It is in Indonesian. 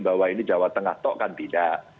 bahwa ini jawa tengah tok kan tidak